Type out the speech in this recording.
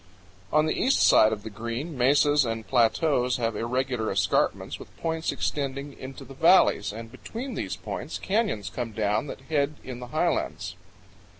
69 On the east side of the Green, mesas and plateaus have irregular escarpments with points extending into the valleys, and between these points canyons come down that head in the highlands.